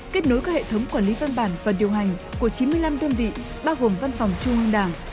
kết nối các hệ thống quản lý văn bản và điều hành của chín mươi năm đơn vị bao gồm văn phòng trung ương đảng